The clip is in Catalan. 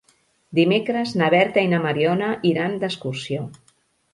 Dimecres na Berta i na Mariona iran d'excursió.